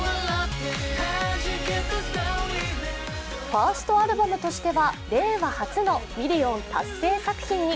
ファーストアルバムとしては令和初のミリオン達成作品に。